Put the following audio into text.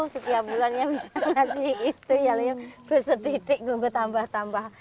sebulan sekali ya